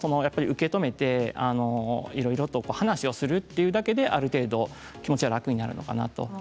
やっぱり受け止めていろいろと話をするというだけである程度、気持ちは楽になるのかなと。